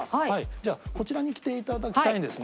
じゃあこちらに来ていただきたいんですね。